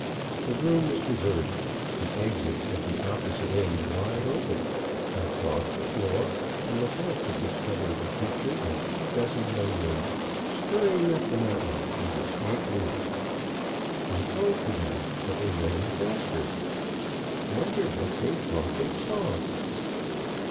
The room was deserted, the exit at the opposite end wide open, I crossed the floor and looked out to discover the teacher and two dozen young ones scurrying up the mountain through the scant woods. I called to them, but they ran the faster. Wonder what they thought they saw?